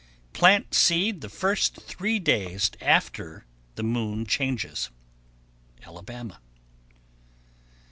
Plant seed the first three days after the moon changes. _Alabama.